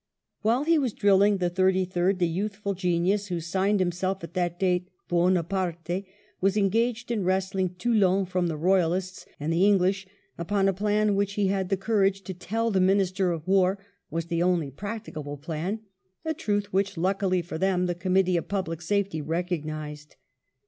While he was drilling the Thirty third, the youthful genius who signed himself, at that date, " Buonaparte," was engaged in wresting Toulon from the Royalists and the English upon a plan which he had the courage to tell the Minister of War was the only practicable plan, a truth which, luckily for them, the Committee of Public Safety recognised.